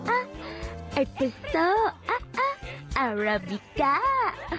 อ๊ะอ๊ะเอสเปรสโซ่อ๊ะอ๊ะอาราบิก้า